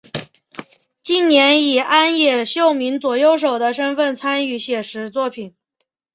近年以庵野秀明左右手的身份参与写实作品。